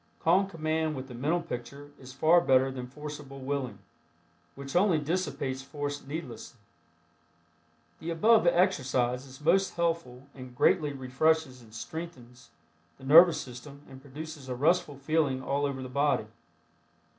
Calm command with the mental picture is far better than forcible willing, which only dissipates force needlessly. The above exercise is most helpful and greatly refreshes and strengthens the nervous system and produces a restful feeling all over the body.